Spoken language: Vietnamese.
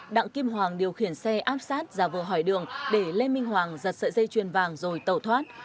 đặng kim hoàng điều khiển xe áp sát ra vừa hỏi đường để lê minh hoàng giật sợi dây chuyền vàng rồi tẩu thoát